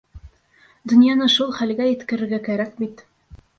Донъяны шул хәлгә еткерергә кәрәк бит.